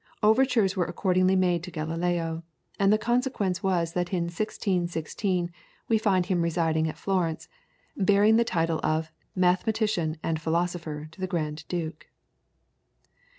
Overtures were accordingly made to Galileo, and the consequence was that in 1616 we find him residing at Florence, bearing the title of Mathematician and Philosopher to the Grand Duke.